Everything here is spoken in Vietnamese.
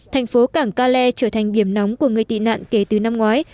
thành phố cảng cale trở thành điểm nóng của người tị nạn kể từ năm ngoái